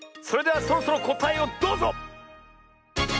それではそろそろこたえをどうぞ！